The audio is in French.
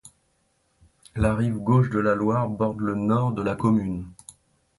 La rive gauche de la Loire borde le nord de la commune.